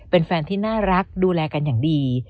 เป็นแฟนที่น่ารักดูแลกันอย่างดี